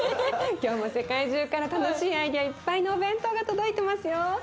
今日も世界中から楽しいアイデアいっぱいのお弁当が届いてますよ。